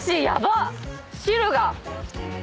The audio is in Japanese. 汁が。